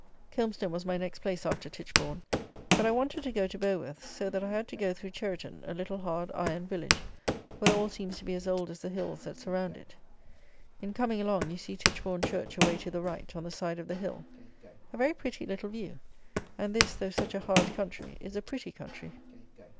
Kilmston was my next place after Titchbourn, but I wanted to go to Beauworth, so that I had to go through Cheriton; a little, hard, iron village, where all seems to be as old as the hills that surround it. In coming along you see Titchbourn church away to the right, on the side of the hill, a very pretty little view; and this, though such a hard country, is a pretty country.